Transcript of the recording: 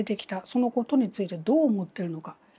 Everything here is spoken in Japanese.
そのことについてどう思ってるのか。